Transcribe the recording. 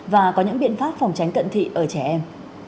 và có những biện pháp phòng tránh cận thị ở trẻ em